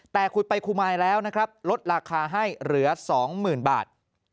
แต่ขุดไปคุมายแล้วนะครับลดราคาให้เหลือ๒๐๐๐บาท